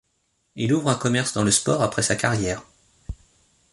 Il ouvre un commerce dans le sport après sa carrière.